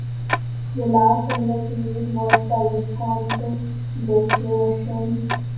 The last in the series was the Wisconsin glaciation.